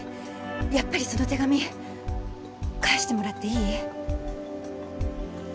やっぱりその手紙返してもらっていい？